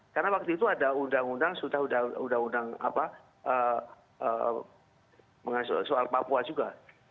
karena waktu itu ada undang undang sudah ada undang undang soal papua juga